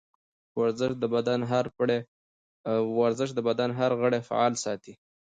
ورزش د بدن هر غړی فعال ساتي.